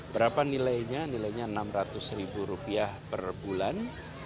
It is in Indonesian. berapa nilainya nilainya rp enam ratus ribu rupiah per bulan